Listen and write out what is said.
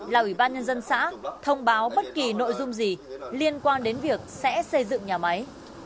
là ủy ban nhân dân xã thông báo bất kỳ nội dung gì liên quan đến việc sẽ xây dựng nhà máy